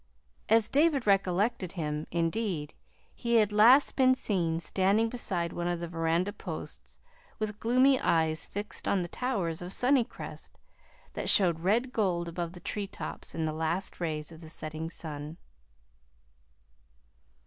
As David recollected him, indeed, he had last been seen standing beside one of the veranda posts, with gloomy eyes fixed on the towers of Sunnycrest that showed red gold above the tree tops in the last rays of the setting sun.